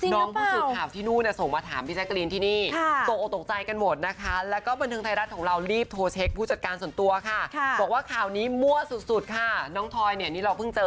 น้องผู้สูตรภาพที่นู่นส่งมาถามพี่แซคกาลีนที่นี่